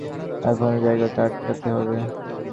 এখনি ও জায়গাটা আটকাতে হবে।